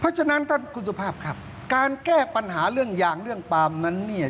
เพราะฉะนั้นท่านคุณสุภาพครับการแก้ปัญหาเรื่องยางเรื่องปาล์มนั้นเนี่ย